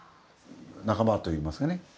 仲間といいますかね。